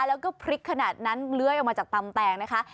แล้วก็พริกขนาดนั้นเลื้อยออกมาจากตำแตงนะคะ